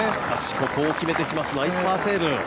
ここを決めてきますナイスパーセーブ。